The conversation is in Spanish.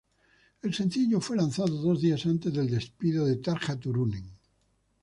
El sencillo fue lanzado dos días antes del despido de Tarja Turunen.